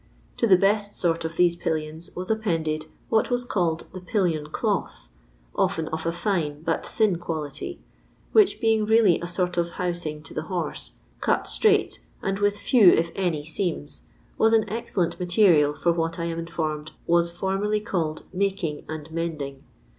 To the best sort of these pillions was appended what was called the " pillion cloth," often of a fine, but thin quality, which being really a sort of housing to the horse, cut straight and with few if any seams, was an excellent material for what I am informed was formerly called " making and mending."